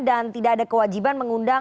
dan tidak ada kewajiban mengundang